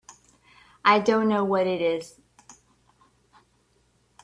I don't know what it is.